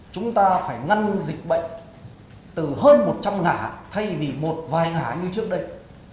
chúng ta phải ngăn dịch bệnh từ hơn một trăm linh ngã thay vì một vài ngã như trước đây